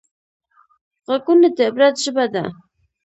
غوږونه د عبرت ژبه ده